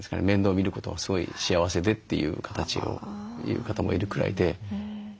見ることはすごい幸せでという形をいう方もいるくらいで。